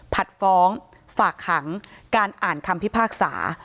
ผัดฟ้องฝากขังการอ่านคำพิพากษา